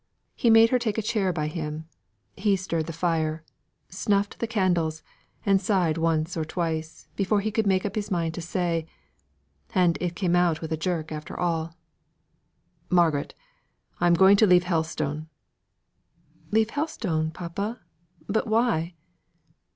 He made her take a chair by him; he stirred the fire, snuffed the candles, and sighed once or twice before he could make up his mind to say and it came out with a jerk after all "Margaret! I am going to leave Helstone." "Leave Helstone, papa! But why?"